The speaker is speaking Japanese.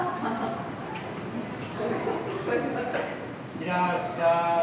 いらっしゃい。